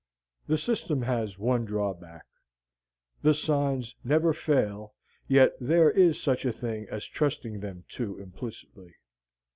The system has one drawback. The signs never fail, yet there is such a thing as trusting them too implicity.